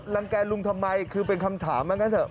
รังแกลุงทำไมคือเป็นคำถามเหมือนกันเถอะ